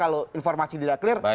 kalau informasi tidak clear